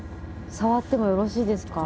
触ってもよろしいですか？